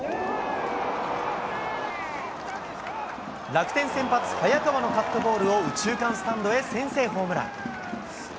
楽天先発、早川のカットボールを右中間スタンドへ、先制ホームラン。